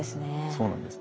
そうなんです。